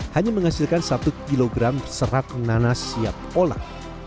hanya menghasilkan satu kilogram serat nanas siap olah